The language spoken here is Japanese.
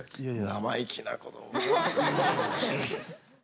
生意気な子どもだなぁ。